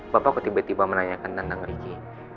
bapak kok tiba tiba menanyakan tentang ricky